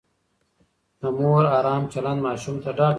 د مور ارام چلند ماشوم ته ډاډ ورکوي.